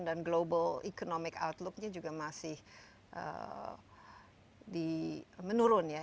dan global economic outlooknya juga masih menurun ya